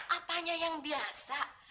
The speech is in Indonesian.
apanya yang biasa